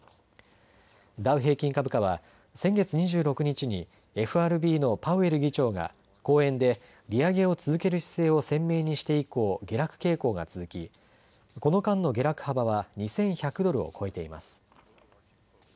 ダウ平均株価は先月２６日にＦＲＢのパウエル議長が講演で利上げを続ける姿勢を鮮明にして以降、下落傾向が続きこの間の下落幅は２１００ドルを超えています。